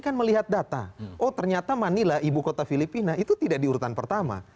kan melihat data oh ternyata manila ibu kota filipina itu tidak diurutan pertama